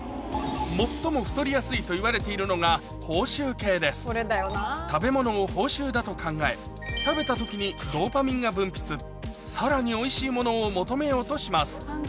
最も太りやすいといわれているのがと考え食べた時にドーパミンが分泌さらにおいしいものを求めようとします